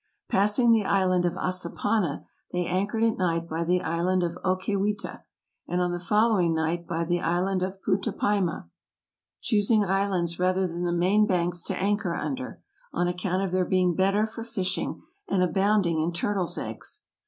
Passing the island of Assapana they anchored at night by the island of Ocaywita, and on the following night by the island of Putapayma, choosing islands rather than the main banks to anchor under, on account of their being better for fishing, and abounding in turtles' eggs.